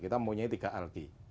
kita mempunyai tiga alg